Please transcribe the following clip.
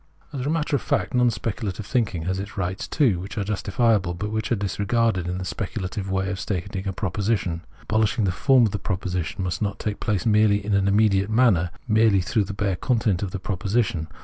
As a matter of fact, non speculative thinking has its rights too, which are justifiable, but are disregarded in the speculative way of stating a proposition. Abolish ing the form of the proposition must not take place merely in an immediate manner, merely through the bare content of the proposition.